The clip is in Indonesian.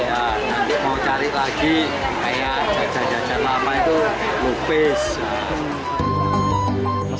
iya nanti mau cari lagi kayak jajan jajan lama itu lupes